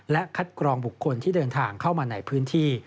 และคัดกรองบุคคลที่เดินทางเข้ามาในพื้นที่